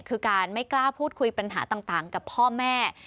คือการไม่กล้าพูดคุยปัญหาต่างกับพ่อแม่